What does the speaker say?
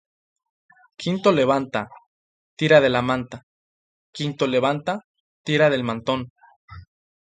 Quinto levanta, tira de la manta. Quinto levanta, tira del mantón